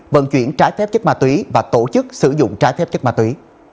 vận chuyển trái phép chất ma túy và tổ chức sử dụng trái phép chất ma túy